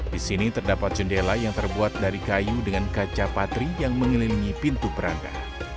di sini terdapat jendela yang terbuat dari kayu dengan kaca patri yang mengelilingi pintu beranda